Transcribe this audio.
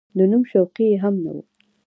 د نوم شوقي یې هم نه و.